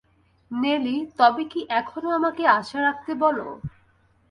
নেলি, তবে কি এখনো আমাকে আশা রাখতে বল।